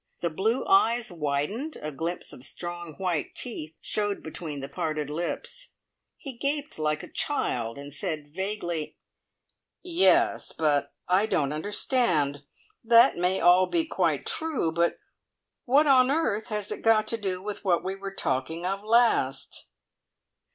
The blue eyes widened, a glimpse of strong white teeth showed between the parted lips. He gaped like a child, and said vaguely: "Yes, but I don't understand! That may all be quite true, but what on earth has it got to do with what we were talking of last?"